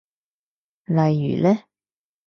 例如呢？